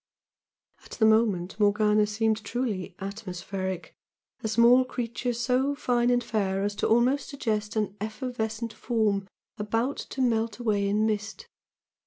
At the moment Morgana seemed truly "atmospheric" a small creature so fine and fair as to almost suggest an evanescent form about to melt away in mist.